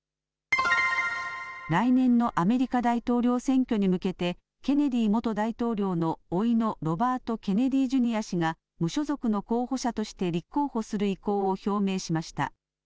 来年のアメリカ大統領選挙に向けて、ケネディ元大統領のおいのロバート・ケネディ・ジュニア氏が、無所属の候補者として立候補する意向を表明しました。